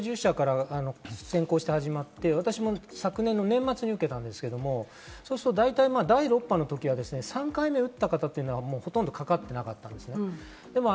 ３回目接種に関しては医療従事者からは先行して始まって、私も昨年、年末に受けたんですけれども、大体第６波の時は、３回目を打った方はほとんどかかっていなかったんです。